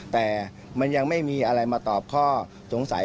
แต่มันยังไม่มีอะไรมาตอบข้อสงสัย